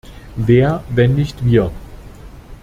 Wer, wenn nicht wir?